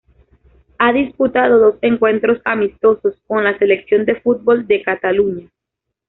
Ha disputado dos encuentros amistosos con la selección de fútbol de Cataluña.